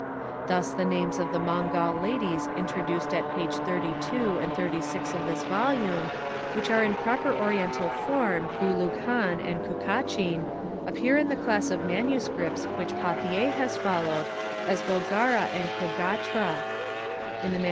Thus the names of the Mongol ladies introduced at pp. 32 and 36 of this volume, which are in proper Oriental form Buhighdn and KukdcJiin, appear in the class of MSS. which Pauthier has followed as Bolgara and Cogatra ; in the MSS.